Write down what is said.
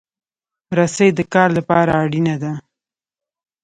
رسۍ د کار لپاره اړینه ده.